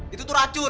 itu tuh racun